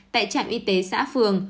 tại trạm y tế xã phường